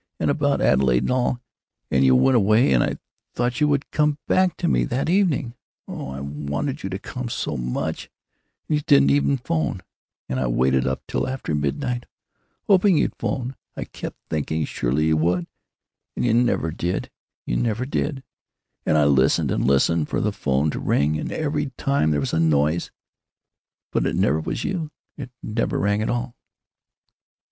And about Adelaide and all. And you went away and I thought you would come back to me that evening—oh, I wanted you to come, so much, and you didn't even 'phone—and I waited up till after midnight, hoping you would 'phone, I kept thinking surely you would, and you never did, you never did; and I listened and listened for the 'phone to ring, and every time there was a noise——But it never was you. It never rang at all...."